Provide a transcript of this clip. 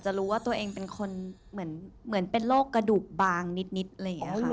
จะรู้ว่าตัวเองเป็นคนเหมือนเป็นโรคกระดูกบางนิดเลยค่ะ